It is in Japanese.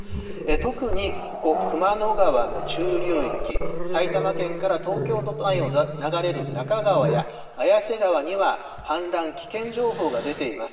特にここ、熊野川の中流域、埼玉県から東京を流れる中川や綾瀬川には、氾濫危険情報が出ています。